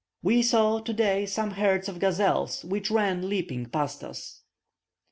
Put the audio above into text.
We saw, today, some herds of gazelles, which ran leaping past us.